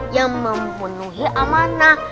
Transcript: yang memenuhi amanah